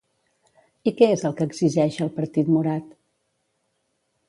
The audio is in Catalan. I què és el que exigeix el partit morat?